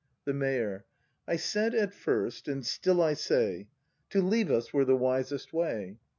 The Mayor. I said at first, and still I say: — To leave us were the wisest way.